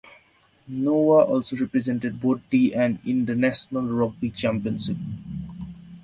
Noah also represented both the and in the National Rugby Championship.